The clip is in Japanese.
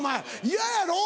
嫌やろ？